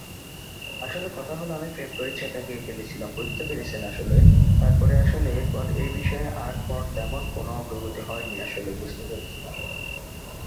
এরপর এ বিষয়ে আর তেমন কোন অগ্রগতি হয়নি।